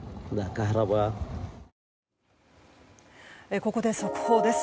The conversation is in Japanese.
ここで速報です。